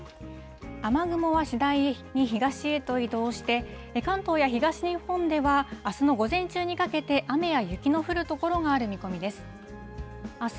雨雲は次第に東へと移動して、関東や東日本では、あすの午前中にかけて、雨や雪の降る所がある見込みです。